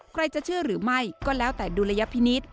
ใครจะเชื่อหรือไม่ก็แล้วแต่ดุลยพินิษฐ์